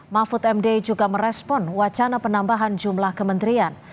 mahfud md juga merespon wacana penambahan jumlah kementerian